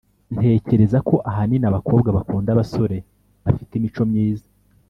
ntekereza ko ahanini abakobwa bakunda abasore bafite imico myiza